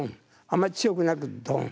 あんまり強くなく「ドン」。